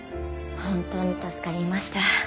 本当に助かりました。